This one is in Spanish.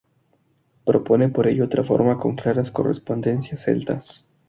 Propone por ello otra forma con claras correspondencias celtas.